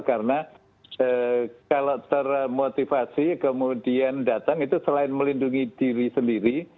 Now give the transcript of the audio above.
karena kalau termotivasi kemudian datang itu selain melindungi diri sendiri